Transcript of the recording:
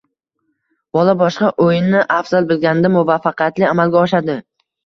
bola boshqa o‘yinni afzal bilganida muvaffaqiyatli amalga oshadi.